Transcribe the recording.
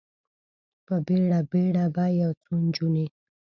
په بیړه، بیړه به یو څو نجونې،